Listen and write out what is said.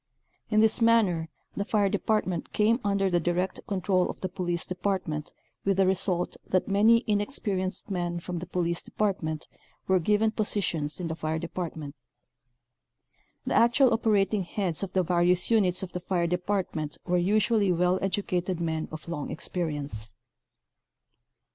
In this manner the fire department came under the direct control of the police department with the result that many in experienced men from the police department were given positions in the fire department. The actual operating heads of the various units of the fire department were usually well edu cated men of long experience.